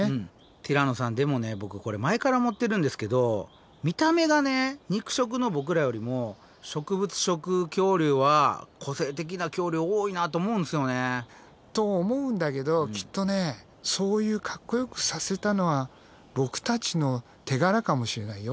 ティラノさんでもねボクこれ前から思ってるんですけど見た目がね肉食のボクらよりも植物食恐竜は個性的な恐竜多いなと思うんですよね。と思うんだけどきっとねそういうかっこよくさせたのはボクたちの手柄かもしれないよ。